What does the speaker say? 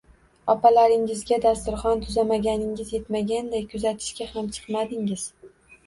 Opalaringizga dasturxon tuzamaganingiz etmaganday, kuzatishga ham chiqmadingiz